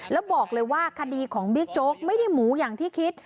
แล้วบอกเลยว่าคดีของบิ๊กโจ๊กไม่ได้หมูอย่างที่คิด